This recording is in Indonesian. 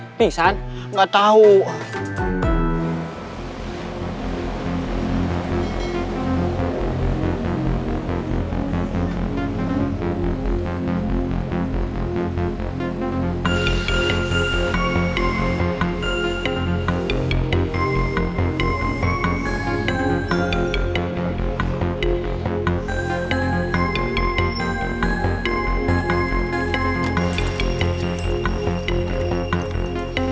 emangnya saya barusan kenapa